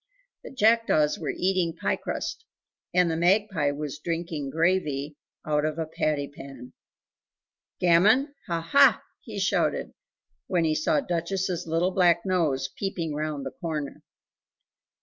The jackdaws were eating pie crust, and the magpie was drinking gravy out of a patty pan. "Gammon, ha, HA!" he shouted when he saw Duchess's little black nose peeping round the corner.